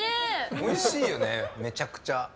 おいしいよね、めちゃくちゃ。